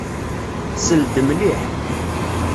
Sel-d mliḥ.